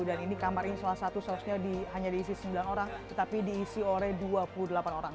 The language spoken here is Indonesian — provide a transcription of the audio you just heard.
dan ini kamar ini salah satu seharusnya hanya diisi sembilan orang tetapi diisi oleh dua puluh delapan orang